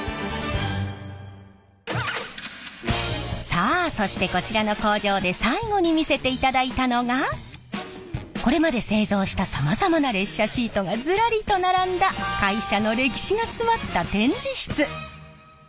さあそしてこちらの工場で最後に見せていただいたのがこれまで製造したさまざまな列車シートがずらりと並んだ会社の歴史が詰まった展示室。